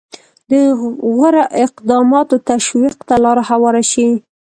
د غوره اقداماتو تشویق ته لاره هواره شي.